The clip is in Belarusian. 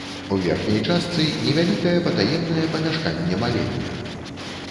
У верхняй частцы невялікае патаемнае памяшканне-малельня.